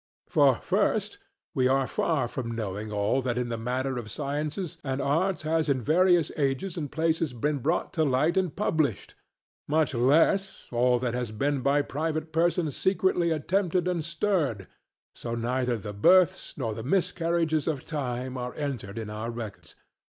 For, first, we are far from knowing all that in the matter of sciences and arts has in various ages and places been brought to light and published; much less, all that has been by private persons secretly attempted and stirred, so neither the births nor the miscarriages of Time are entered in our records.